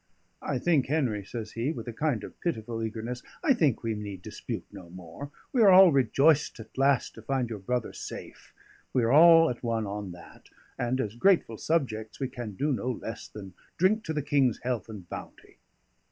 "I think, Henry," says he, with a kind of pitiful eagerness, "I think we need dispute no more. We are all rejoiced at last to find your brother safe; we are all at one on that; and, as grateful subjects, we can do no less than drink to the King's health and bounty."